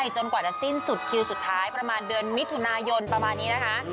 จนกว่าจะสิ้นสุดคิวสุดท้ายประมาณเดือนมิถุนายนประมาณนี้นะคะ